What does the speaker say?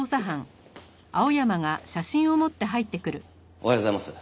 おはようございます。